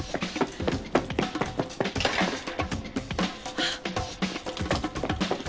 あっ。